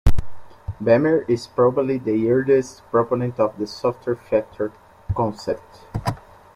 Bemer is probably the earliest proponent of the Software Factory concept.